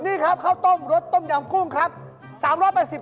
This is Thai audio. นี่ครับข้าวต้มรสต้มยำกุ้งครับ